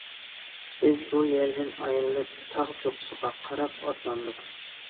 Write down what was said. بىز بۇ يەردىن ئايرىلىپ تاغ چوققىسىغا قاراپ ئاتلاندۇق.